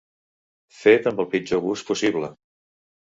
Fet amb el pitjor gust possible.